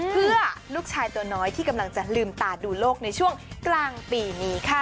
เพื่อลูกชายตัวน้อยที่กำลังจะลืมตาดูโลกในช่วงกลางปีนี้ค่ะ